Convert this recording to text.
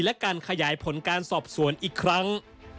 และการขยายผลการสอบสวนอีกครั้ง